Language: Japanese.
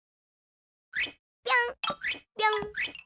ぴょんぴょん。